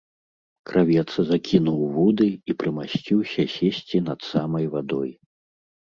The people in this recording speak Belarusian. Кравец закінуў вуды і прымасціўся сесці над самай вадой.